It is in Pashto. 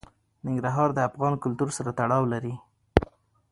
ننګرهار د افغان کلتور سره تړاو لري.